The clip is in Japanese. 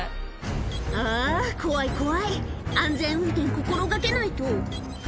「あ怖い怖い安全運転心がけないと」